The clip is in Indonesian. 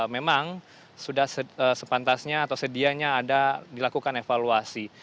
memang sudah sepantasnya atau sedianya ada dilakukan evaluasi